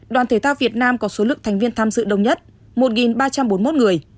đoàn thể thao việt nam có số lượng thành viên tham dự đông nhất một ba trăm bốn mươi một người